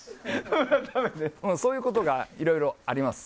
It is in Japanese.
そういうことがいろいろあります。